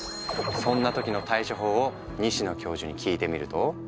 そんな時の対処法を西野教授に聞いてみると。